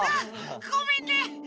ごめんね！